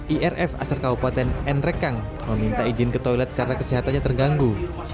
irf asar kabupaten nrekang meminta izin ke toilet karena kesehatannya terganggu